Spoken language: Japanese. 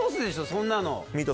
そんなの。